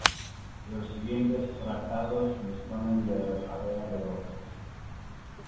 Los siguientes trazados disponen del área de boxes